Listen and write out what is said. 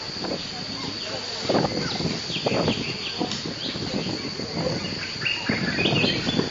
jiko la umeme linafaa kupika viazi lishe